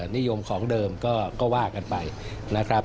นิยมของเดิมก็ว่ากันไปนะครับ